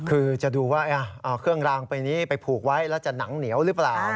คือจะดูว่าเอาเครื่องรางไปนี้ไปผูกไว้แล้วจะหนังเหนียวหรือเปล่า